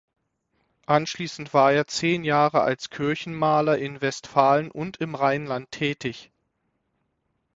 Anschließend war er zehn Jahre als Kirchenmaler in Westfalen und im Rheinland tätig.